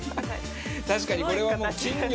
確かにこれはもう。